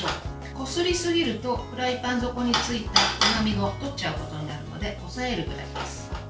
こすりすぎるとフライパン底についたうまみをとっちゃうことになるので押さえるくらいです。